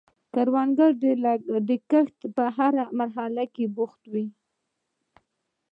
کروندګر د کښت په هره مرحله کې بوخت دی